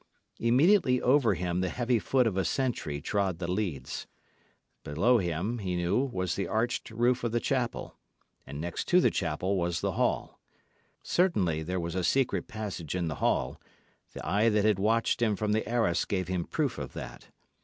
Immediately over him the heavy foot of a sentry trod the leads. Below him, he knew, was the arched roof of the chapel; and next to the chapel was the hall. Certainly there was a secret passage in the hall; the eye that had watched him from the arras gave him proof of that.